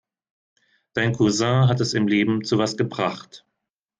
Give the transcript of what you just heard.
Dein Cousin hat es im Leben zu was gebracht.